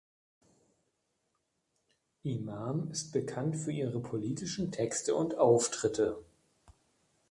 Imam ist bekannt für ihre politischen Texte und Auftritte.